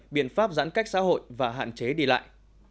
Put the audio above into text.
biện pháp giãn cách xã hội và hạn chế đi lại